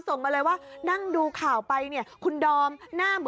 ใช่ใช่อะไรคะ